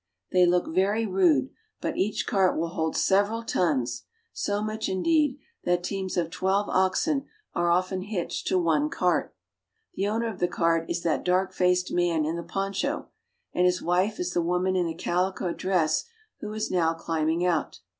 They look very rude, but each cart will hold several tons — so much, indeed, that teams of twelve oxen are often hitched to one cart. The owner of the cart is that dark faced man in the poncho, and his wife is the woman in the calico dress who is now climbing out.